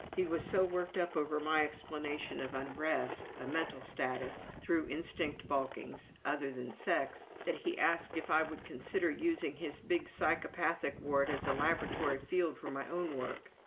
He was so worked up over my explanation of unrest (a mental status) through instinct balkings other than sex, that he asked if I would consider using his big psychopathic ward as a laboratory field for my own work.